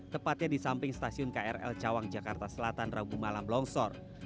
tepatnya di samping stasiun krl cawang jakarta selatan rabu malam longsor